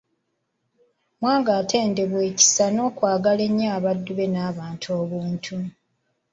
Mwanga atendebwa ekisa n'okwagala ennyo abaddu be n'abantu obuntu.